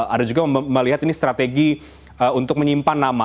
ada juga melihat ini strategi untuk menyimpan nama